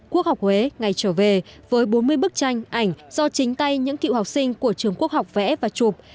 quốc học huế ngày trở về với bốn mươi bức tranh ảnh do chính tay những cựu học sinh của trường quốc học vẽ và chụp